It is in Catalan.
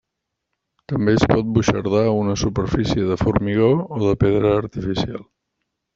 També es pot buixardar una superfície de formigó o de pedra artificial.